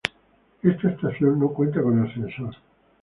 Esta estación no cuenta con ascensor